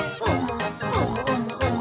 「おもおもおも！